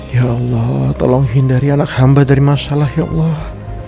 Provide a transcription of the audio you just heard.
ya allah tolong hindari anak hamba dari masalah ya allah